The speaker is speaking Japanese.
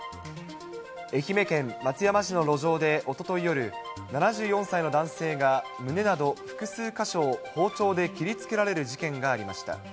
愛媛県松山市の路上でおととい夜、７４歳の男性が胸など複数箇所を包丁で切りつけられる事件がありました。